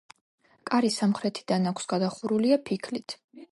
კარი სამხრეთიდან აქვს, გადახურულია ფიქლით.